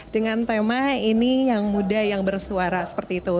dengan tema ini yang muda yang bersuara seperti itu